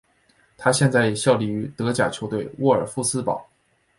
他现在效力于德甲球队沃尔夫斯堡。